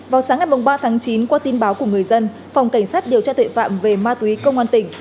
vào sáng ngày ba tháng chín qua tin báo của người dân phòng cảnh sát điều tra tuệ phạm về ma túy công an tỉnh